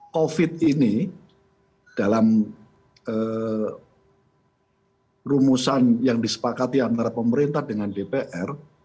covid ini dalam rumusan yang disepakati antara pemerintah dengan dpr